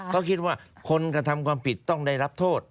เขาคิดว่าคนกระทำความผิดต้องได้รับโทษ